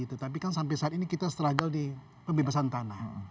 tetapi kan sampai saat ini kita struggle di pembebasan tanah